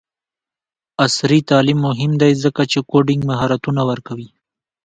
عصري تعلیم مهم دی ځکه چې کوډینګ مهارتونه ورکوي.